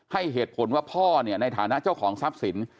ให้เหตุผลว่าพ่อเนี่ยในฐานะเจ้าของทรัพย์สิน